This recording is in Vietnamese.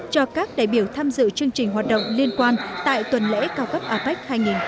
và các đại biểu tham dự chương trình hoạt động liên quan tại tuần lễ cao cấp apec hai nghìn một mươi bảy